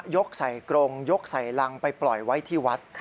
ใส่กรงยกใส่รังไปปล่อยไว้ที่วัด